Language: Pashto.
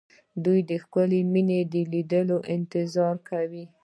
دوی د ښکلې مينې د ليدو انتظار کاوه